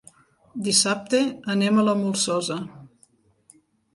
Dissabte anem a la Molsosa.